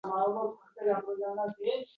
Shunga o‘xshagan misralari bor.